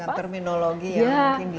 dengan terminologi yang mungkin dia enggak